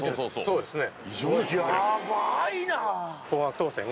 そうですね。